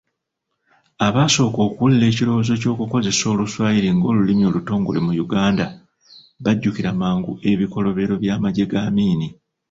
Abasooka okuwulira ekirowoozo eky'okukozesa oluswayiri ng'olulimi olutongole mu Uganda bajjukira mangu ebikolobero by'amagye ga Amin.